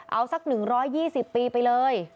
เอาสัก๑๒๐ปีไปเลย